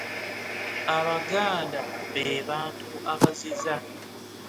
abaganda be bantu abaziza.